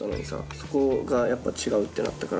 そこが違うってなったから。